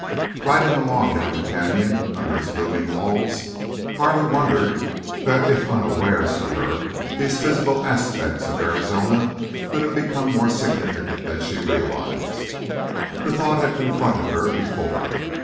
Riding along down the canyon, under its looming walls, Carley wondered that if unawares to her these physical aspects of Arizona could have become more significant than she realized. The thought had confronted her before.